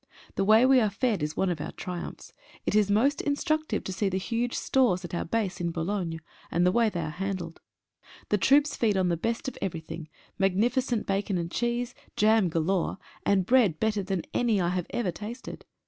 The way we are fed is one of our triumphs. It is most in structive to see the huge stores at our base in Boulogne, and the way they are handled. The troops feed on the best of everything — magnificent bacon and cheese, jam galore, and bread better than any I have ever tasted.